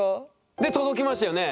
で届きますよね